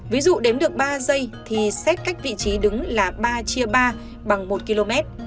ví dụ đếm được ba giây thì xét cách vị trí đứng là ba chia ba bằng một km